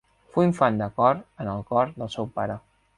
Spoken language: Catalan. Fou infant de cor en el cor del seu pare.